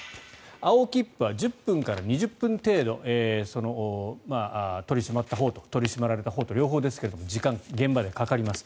青切符は１０分から２０分程度取り締まったほうと取り締まられたほうと両方ですが時間、現場ではかかります。